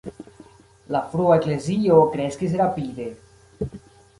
La frua Eklezio kreskis rapide.